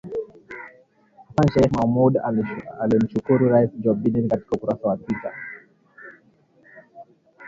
Hassan Sheikh Mohamud alimshukuru Rais Joe Biden katika ukurasa wa Twita